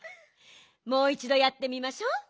もういちどやってみましょう。